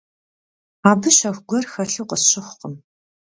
Абы щэху гуэр хэлъу къысщыхъукъым.